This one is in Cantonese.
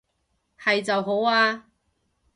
係就好啊